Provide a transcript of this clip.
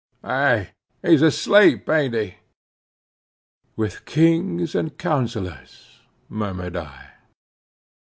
"Eh!—He's asleep, aint he?" "With kings and counselors," murmured I.